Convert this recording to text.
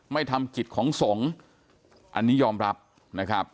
ไม่ทำกิจของสงฆ์อันนี้ยอมรับนะครับ